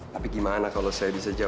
tapi gimana kalau saya bisa jawab